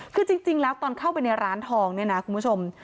คือจริงแล้วตอนเข้าไปในร้านทองเนี่ยนะคุณผู้ชม